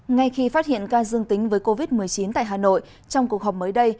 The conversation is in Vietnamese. ngay khi phát hiện ca dương tính với covid một mươi chín tại hà nội trong cuộc họp mới đây